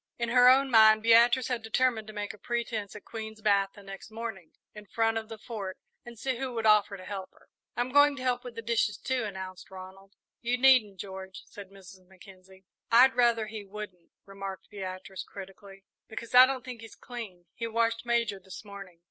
In her own mind Beatrice had determined to make a pretence at Queen's bath the next morning, in front of the Fort, and see who would offer to help her. "I'm going to help with the dishes, too," announced Ronald. "You needn't, George," said Mrs. Mackenzie. "I'd rather he wouldn't," remarked Beatrice, critically, "because I don't think he's clean. He washed Major this morning."